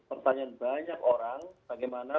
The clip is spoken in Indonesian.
pertanyaan banyak orang bagaimana